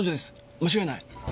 間違いない。